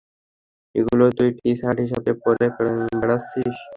ওগুলো তুই টি-শার্ট হিসেবে পরে বেড়াচ্ছিস।